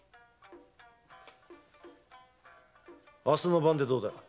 明日の晩でどうだ？